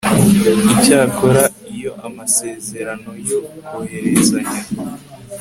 icyakora iyo amasezerano yo kohererezanya